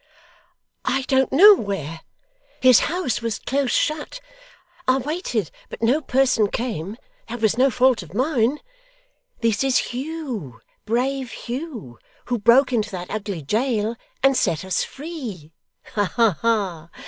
'I don't know where. His house was close shut. I waited, but no person came; that was no fault of mine. This is Hugh brave Hugh, who broke into that ugly jail, and set us free. Aha!